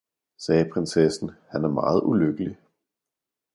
sagde prinsessen, han er meget ulykkelig.